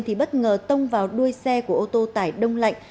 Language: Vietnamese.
thì bất ngờ tông vào đuôi xe của ô tô tải đông lạnh